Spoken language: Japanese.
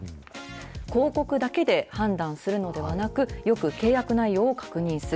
広告だけで判断するのではなく、よく契約内容を確認する。